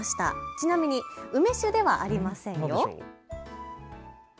ちなみに梅酒ではありませんよ。